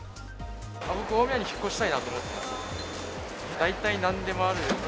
僕、大宮に引っ越したいなと思ってるんですよ。